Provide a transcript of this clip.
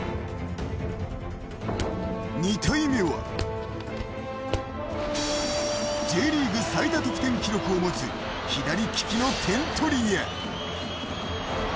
２体目は、Ｊリーグ最多得点記録を持つ、左利きの点取り屋。